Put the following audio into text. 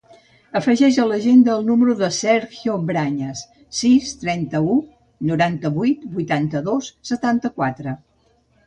Afegeix a l'agenda el número del Sergio Brañas: sis, trenta-u, noranta-vuit, vuitanta-dos, setanta-quatre.